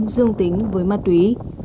dương tính với ma túy